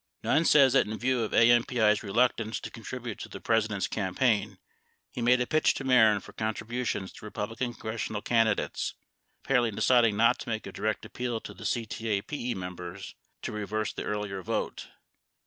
90 Nunn says that in view of AMPI's reluctance to contribute to the Presi dent's campaign, he made a pitch to Mehren for contributions to Republican congressional candidates, apparently deciding not to make a direct appeal to the CTAPE members to reverse the earlier vote.